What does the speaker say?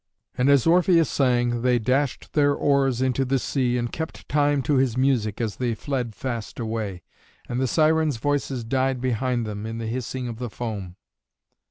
And as Orpheus sang, they dashed their oars into the sea and kept time to his music as they fled fast away, and the Sirens' voices died behind them, in the hissing of the foam.